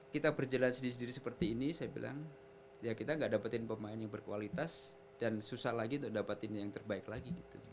kita berjalan sendiri sendiri seperti ini saya bilang ya kita gak dapetin pemain yang berkualitas dan susah lagi untuk dapetin yang terbaik lagi